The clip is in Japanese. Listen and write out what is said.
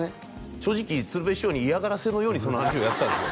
正直鶴瓶師匠に嫌がらせのようにその話をやったんですよ